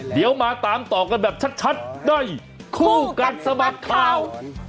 เดี๋ยวมาตามต่อกันแบบชัดชัดได้คู่กันสมัครข่าว